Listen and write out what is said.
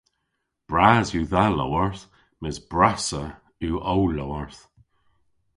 Bras yw dha lowarth mes brassa yw ow lowarth.